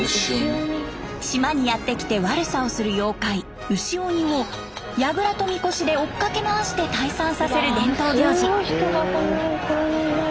島にやって来て悪さをする妖怪牛鬼をやぐらとみこしで追っかけ回して退散させる伝統行事。